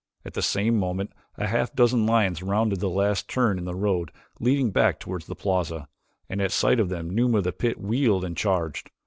At the same moment a half dozen lions rounded the last turn in the road leading back toward the plaza, and at sight of them Numa of the pit wheeled and charged.